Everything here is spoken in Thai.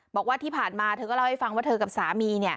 บอกว่าที่ผ่านมาเธอก็เล่าให้ฟังว่าเธอกับสามี